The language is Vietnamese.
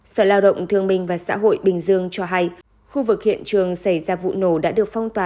sở lao động thương minh và xã hội bình dương cho hay khu vực hiện trường xảy ra vụ nổ đã được phong tỏa